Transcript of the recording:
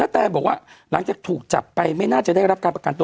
แตบอกว่าหลังจากถูกจับไปไม่น่าจะได้รับการประกันตัว